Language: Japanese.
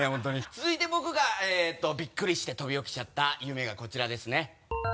続いて僕がびっくりして飛び起きちゃった夢がこちらですね。